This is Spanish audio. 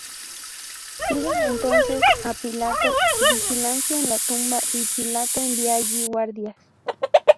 Piden entonces a Pilato vigilancia en la tumba, y Pilato envía allí guardias.